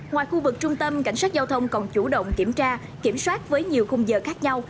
ngoài khu vực trung tâm cảnh sát giao thông còn chủ động kiểm tra kiểm soát với nhiều khung giờ khác nhau